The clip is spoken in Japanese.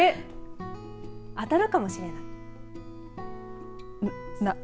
当たるかもしれない。